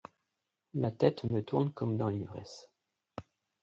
La tête me tourne comme dans l’ivresse.